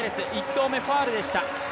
１投目、ファウルでした。